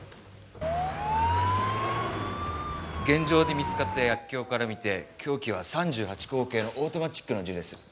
現場で見つかった薬莢から見て凶器は３８口径のオートマチックの銃です。